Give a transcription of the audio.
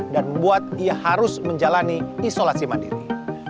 dan membuat ia harus menjalani isolasi mandiri